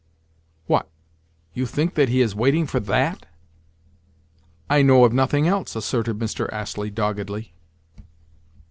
"What? You think that he is waiting for that?" "I know of nothing else," asserted Mr. Astley doggedly.